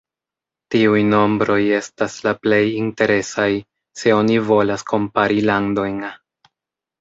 Tiuj nombroj estas la plej interesaj, se oni volas kompari landojn.